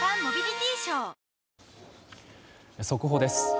速報です。